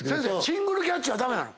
シングルキャッチは駄目なの？